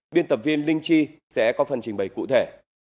biên tập viên linh chi sẽ có phần trình bày cụ thể